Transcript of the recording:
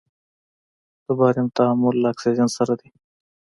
د باریم تعامل له اکسیجن سره دی.